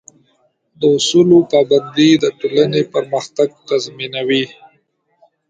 د اصولو پابندي د ټولنې پرمختګ تضمینوي.